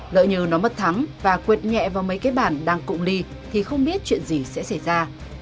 lỡ như nó mất thắng và quyệt nhẹ vào mấy cái bàn đang cụm ly thì không biết chuyện gì sẽ xảy ra